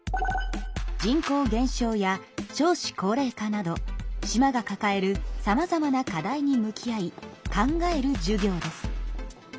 人口減少や少子高齢化など島がかかえるさまざまな課題に向き合い考える授業です。